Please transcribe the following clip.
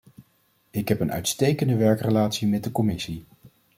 Ik heb een uitstekende werkrelatie met de commissie.